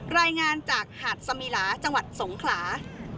รายงานจากหาดสมิลาจังหวัดสงขลา